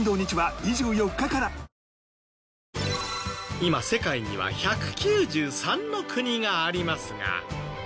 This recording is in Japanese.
今世界には１９３の国がありますが。